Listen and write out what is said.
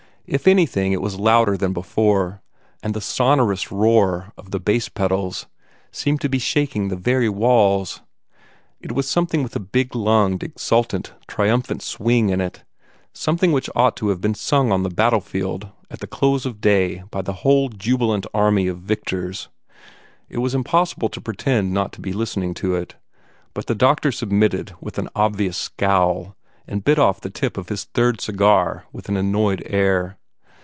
If anything, it was louder than before, and the sonorous roar of the bass pedals seemed to be shaking the very walls. It was something with a big lunged, exultant, triumphing swing in it something which ought to have been sung on the battlefield at the close of day by the whole jubilant army of victors. It was impossible to pretend not to be listening to it; but the doctor submitted with an obvious scowl, and bit off the tip of his third cigar with an annoyed air.